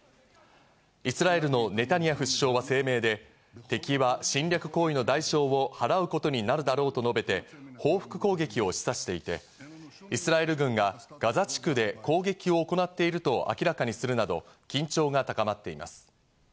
イスラエルのネタニヤフ首相は声明で、敵は侵略行為の代償を払うことになるだろうと述べて、報復攻撃を示唆していて、イスラエル軍がガザ地区で攻撃を行っていると明らかにするなど緊張が高まっています。